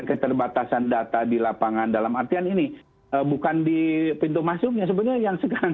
keterbatasan data di lapangan dalam artian ini bukan di pintu masuknya sebenarnya yang sekarang